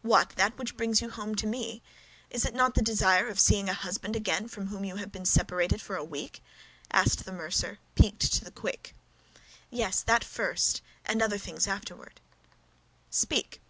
"What, that which brings you home to me? Is it not the desire of seeing a husband again from whom you have been separated for a week?" asked the mercer, piqued to the quick. "Yes, that first, and other things afterward." "Speak."